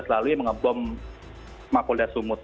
dua ribu tujuh belas lalu yang mengebom makolda sumut